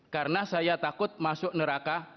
karena saya takut masuk neraka